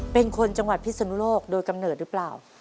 เป็นคนจังหวัดพิศนุโลกโดยกำเนิดหรือเปล่า